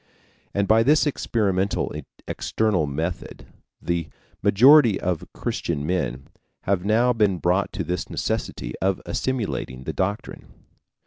And by this experimental external method the majority of Christian men have now been brought to this necessity of assimilating the doctrine.